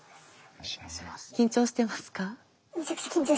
緊張してますか？